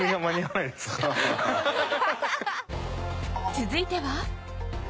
続いては